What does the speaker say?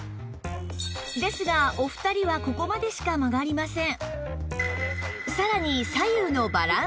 ですがお二人はここまでしか曲がりません